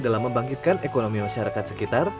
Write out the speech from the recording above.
dalam membangkitkan ekonomi masyarakat sekitar